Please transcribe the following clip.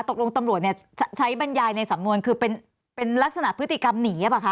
ตำรวจเนี่ยใช้บรรยายในสำนวนคือเป็นลักษณะพฤติกรรมหนีหรือเปล่าคะ